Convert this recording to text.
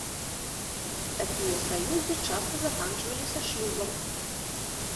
Такія саюзы часта заканчваліся шлюбам.